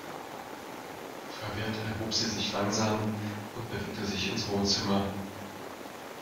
Verwirrt erhob sie sich langsam und bewegte sich ins Wohnzimmer.